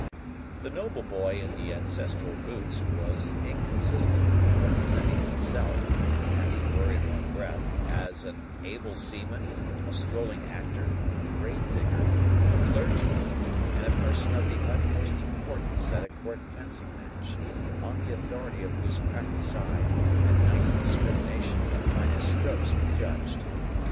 The noble boy in the ancestral boots was inconsistent, representing himself, as it were in one breath, as an able seaman, a strolling actor, a grave digger, a clergyman, and a person of the utmost importance at a Court fencing match, on the authority of whose practised eye and nice discrimination the finest strokes were judged.